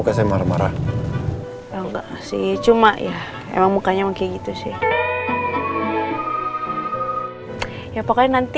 kelihatan muka saya marah marah enggak sih cuma ya emang mukanya mungkin gitu sih ya pokoknya nanti